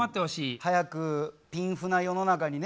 早く平和な世の中にね。